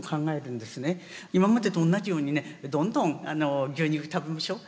今までと同じようにね「どんどん牛肉食べましょう」